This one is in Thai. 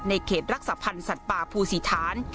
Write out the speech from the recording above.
ในเขตรักษภัณฑ์สัตว์ป่าภูสิธาน